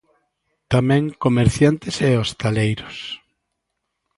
Tamén comerciantes e hostaleiros.